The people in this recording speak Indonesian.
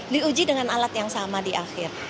diuji dengan alat yang sama di akhir